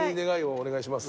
お願いします。